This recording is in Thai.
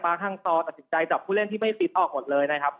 ป้างห้างตอตัดสินใจจากผู้เล่นที่ไม่คิดออกหมดเลยนะครับ